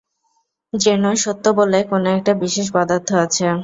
যেন সত্য বলে কোনো-একটা বিশেষ পদার্থ আছে।